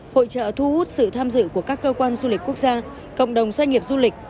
hội trợ thu hút sự tham dự của các cơ quan du lịch quốc gia cộng đồng doanh nghiệp du lịch